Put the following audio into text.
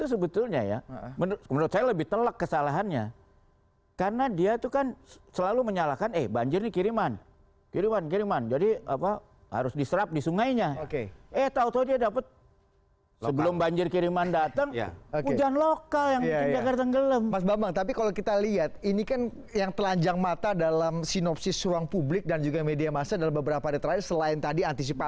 sebetulnya menurut saya itu jadi beda